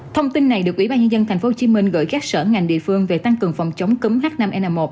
thông tin này được ủy ban nhân dân tp hcm gửi các sở ngành địa phương về tăng cường phòng chống cúm h năm n một